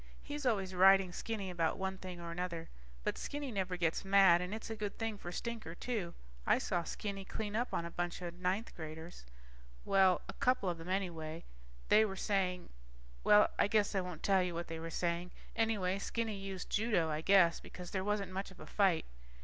He's always riding Skinny about one thing or another, but Skinny never gets mad and it's a good thing for Stinker, too. I saw Skinny clean up on a bunch of ninth graders ... Well, a couple of them anyway. They were saying ... Well, I guess I won't tell you what they were saying. Anyway, Skinny used judo, I guess, because there wasn't much of a fight.